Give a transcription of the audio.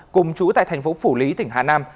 cùng chú tại thành phố phủ lý tỉnh hà nam